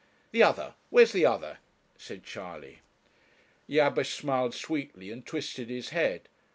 'The other where's the other?' said Charley. Jabesh smiled sweetly and twisted his head.